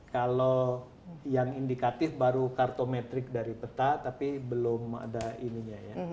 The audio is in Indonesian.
kalau yang indikatif baru kartometrik dari peta tapi belum ada ininya ya